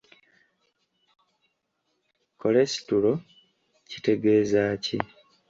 Kolesitulo kitegezaaki?